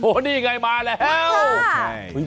โอ้นี่ไงมาแล้วมาแล้วค่ะใช่